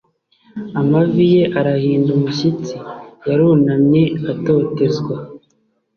Amavi ye arahinda umushyitsi yarunamye atotezwa